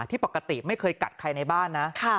ที่ปกติไม่เคยกัดใครในบ้านนะ